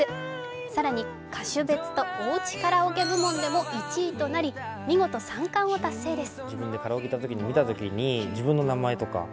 更に歌手別とおうちカラオケ部門でも１位となり、見事３冠を達成です！